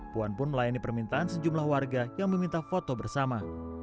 puan pun melayani permintaan sejumlah warga yang meminta foto bersama